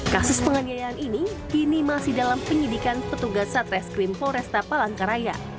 kasus penganiayaan ini kini masih dalam penyidikan petugas satreskrim polresta palangkaraya